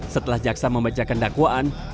setelah jaksa membajakan dakwaan